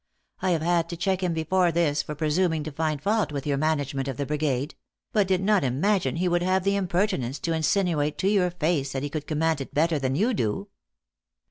I have had to check him before this for presuming to find fault with your man agement of the brigade ; but did not imagine he would have the impertinence to insinuate to your face that he could command it better than you do."